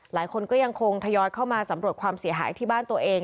หลายคนก็ยังคงทยอยเข้ามาสำรวจความเสียหายที่บ้านตัวเอง